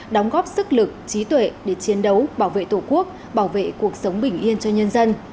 đóng góp sức lực trí tuệ để chiến đấu bảo vệ tổ quốc bảo vệ cuộc sống bình yên cho nhân dân